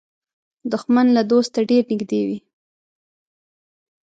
دښمن له دوسته ډېر نږدې وي